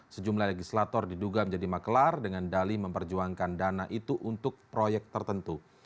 sejumlah legislator diduga menjadi makelar dengan dali memperjuangkan dana itu untuk proyek tertentu